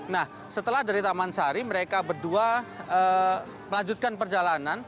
nah setelah dari taman sari mereka berdua melanjutkan perjalanan